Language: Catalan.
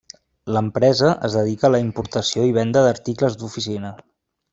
L'empresa es dedica a la importació i venda d'articles d'oficina.